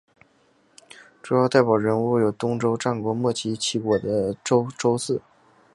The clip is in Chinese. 主要代表人物有东周战国末期齐国的邹衍。